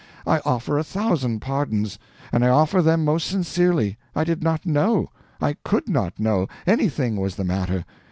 I offer a thousand pardons. And I offer them most sincerely. I did not know I COULD not know anything was the matter.